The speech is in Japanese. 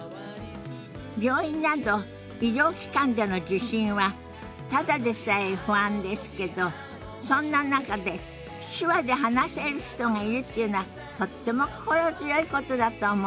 病院など医療機関での受診はただでさえ不安ですけどそんな中で手話で話せる人がいるっていうのはとっても心強いことだと思います。